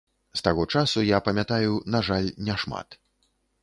З таго часу я памятаю, на жаль, не шмат.